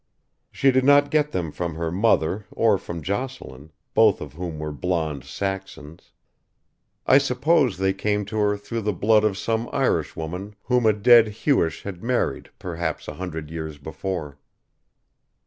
She did not get them from her mother or from Jocelyn, both of whom were blond Saxons. I suppose they came to her through the blood of some Irishwoman whom a dead Hewish had married perhaps a hundred years before.